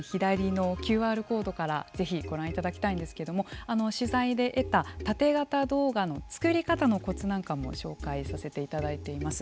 画面左のＱＲコードから、ぜひご覧いただきたいんですけども取材で得たタテ型動画の作り方のコツなんかも紹介させていただいています。